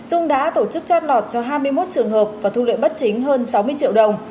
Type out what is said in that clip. dung đã tổ chức trót lọt cho hai mươi một trường hợp và thu lợi bất chính hơn sáu mươi triệu đồng